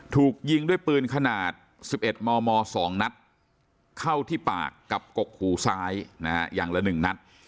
ถูกยิงด้วยปืนขนาดสิบเอ็ดมมสองนัดเข้าที่ปากกับกกหูซ้ายนะฮะอย่างละหนึ่งนัด